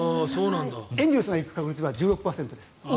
エンゼルスの行く確率は１６％です。